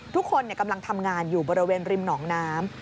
ทุกคนกำลังทำงานอยู่บริเวณริมหนองน้ำ